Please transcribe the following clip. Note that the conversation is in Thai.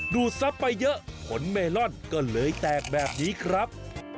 ดูดทรัพย์ไปเยอะผลเมลอนก็เลยแตกแบบนี้ครับ